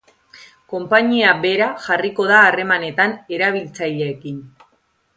Konpainia bera jarriko da harremanetan erabiltzaileekin.